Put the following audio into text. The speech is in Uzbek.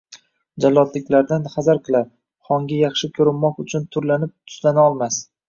jallodliklardan hazar qilar, xonga yaxshi ko’rinmoq uchun turlanib, tuslanolmas